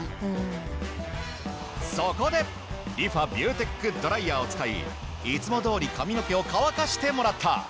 そこでリファビューテックドライヤーを使いいつもどおり髪の毛を乾かしてもらった。